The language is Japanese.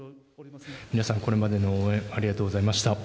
皆さん、これまでの応援、ありがとうございました。